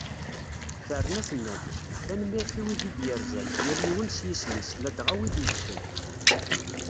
Terna tenna-d: "Tanemmirt i wid i d-yerzan, yal yiwen s yisem-is, ladɣa wid ibedden".